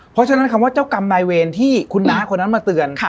เพราะฉะนั้นคำว่าเจ้ากรรมนายเวรที่คุณน้าคนนั้นมาเตือน